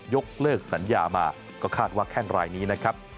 ยกเลิกสัญญามาก็คาดว่าแข้งรายนี้นะครับ